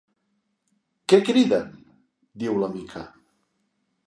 Què criden? —diu la Mica.